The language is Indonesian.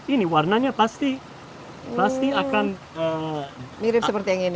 ini warnanya pasti akan mirip seperti yang ini